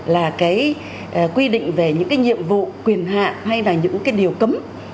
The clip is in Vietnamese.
là cái quy định về những cái nhiệm vụ quyền hạ hay là những cái điều cấm